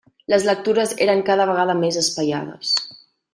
Les lectures eren cada vegada més espaiades.